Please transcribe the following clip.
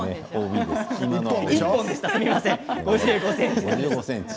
すみません、５５ｃｍです。